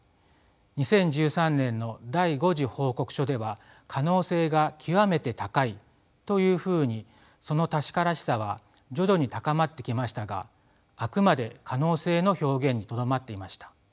２０１３年の第５次報告書では「可能性が極めて高い」というふうにその確からしさは徐々に高まってきましたがあくまで可能性の表現にとどまっていました。